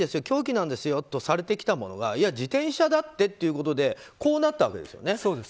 凶器なんですよとされてきたものが自転車だってっていうことで並んだわけですよね。